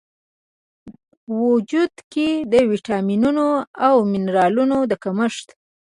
و وجود کې د ویټامینونو او منرالونو د کمښت